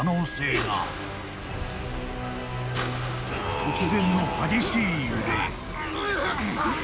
［突然の激しい揺れ］